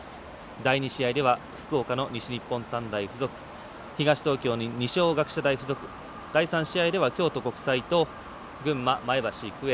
第２試合では福岡の西日本短大付属東東京、二松学舎大付属第３試合は京都国際と群馬、前橋育英。